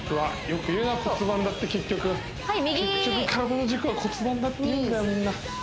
よく言うな骨盤だって結局結局体の軸は骨盤だって言うんだよ